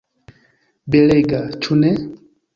Belega, ĉu ne?